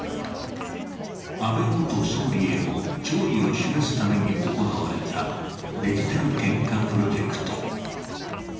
安倍元総理への弔意を示すために行われたデジタル献花プロジェクト。